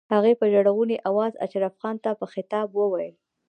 هغې په ژړغوني آواز اشرف خان ته په خطاب وويل.